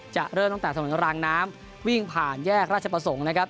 จะเริ่มตั้งแต่ถนนรางน้ำวิ่งผ่านแยกราชประสงค์นะครับ